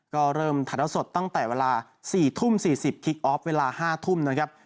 ก็เริ่มถ่ายเท้าสดตั้งแต่เวลา๔ทุ่ม๔๐คิกออฟเวลา๕ทุ่มนะครับ